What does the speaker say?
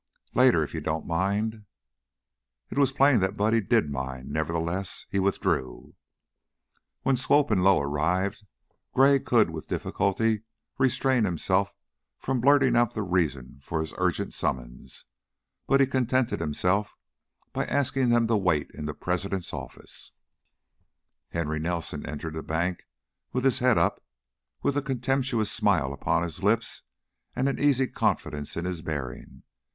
"Later, if you don't mind." It was plain that Buddy did mind; nevertheless, he withdrew. When Swope and Lowe arrived, Gray could with difficulty restrain himself from blurting out the reason for his urgent summons, but he contented himself by asking them to wait in the president's office. Henry Nelson entered the bank with his head up, with a contemptuous smile upon his lips and an easy confidence in his bearing.